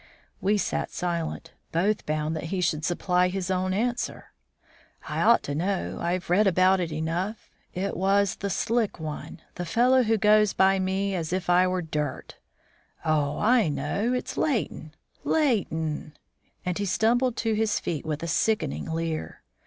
We sat silent; both bound that he should supply his own answer. "I ought to know; I've read about it enough. It was the slick one; the fellow who goes by me as if I were dirt Oh, I know; it's Leighton! Leighton!" And he stumbled to his feet with a sickening leer.